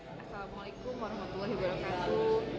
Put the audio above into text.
assalamu'alaikum warahmatullahi wabarakatuh